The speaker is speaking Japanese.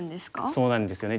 そうなんですよね